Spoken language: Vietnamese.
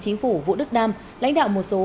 chính phủ vũ đức đam lãnh đạo một số